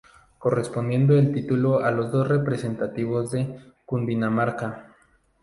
Correspondiendo el título a los dos representativos de Cundinamarca.